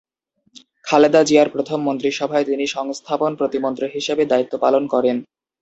খালেদা জিয়ার প্রথম মন্ত্রিসভায় তিনি সংস্থাপন প্রতিমন্ত্রী হিসেবে দায়িত্ব পালন করেন।